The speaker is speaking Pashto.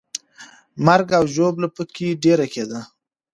مرګ او ژوبله پکې ډېره کېده.